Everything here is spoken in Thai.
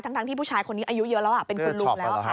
ทั้งที่ผู้ชายคนนี้อายุเยอะแล้วเป็นคุณลุงแล้วค่ะ